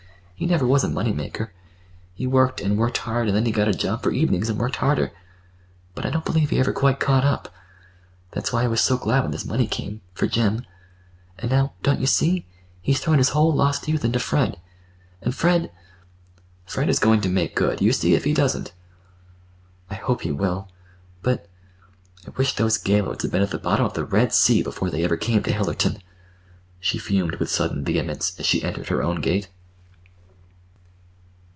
He never was a money maker. He worked, and worked hard, and then he got a job for evenings and worked harder. But I don't believe he ever quite caught up. That's why I was so glad when this money came—for Jim. And now, don't you see? he's thrown his whole lost youth into Fred. And Fred—" "Fred is going to make good. You see if he doesn't!" "I hope he will. But—I wish those Gaylords had been at the bottom of the Red Sea before they ever came to Hillerton," she fumed with sudden vehemence as she entered her own gate.